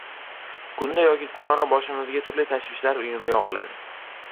Kunda yoki kunora boshimizga turli tashvishlar uyumi yogʻiladi